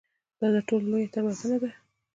دا تر ټولو لویه تېروتنه ده.